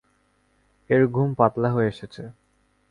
এর ঘুম পাতলা হয়ে এসেছে।